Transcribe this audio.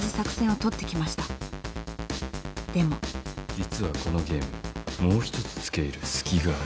実はこのゲームもう一つ付け入るすきがある。